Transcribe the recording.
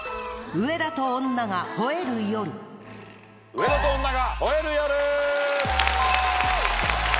『上田と女が吠える夜』！